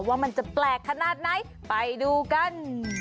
ว่ามันจะแปลกขนาดไหนไปดูกัน